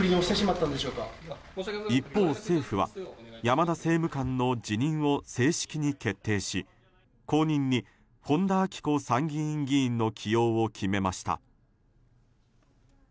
一方、政府は山田政務官の辞任を正式に決定し後任に本田顕子参議院議員の起用を決めました。